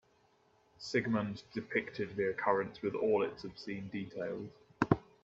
Sigmund depicted the occurrence with all its obscene details.